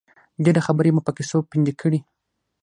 ډېرې خبرې مو په کیسو پنډې کړې.